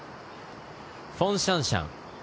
フォン・シャンシャン。